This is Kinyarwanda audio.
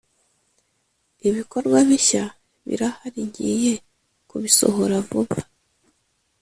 ibikorwa bishya birahari ngiye kubisohora vuba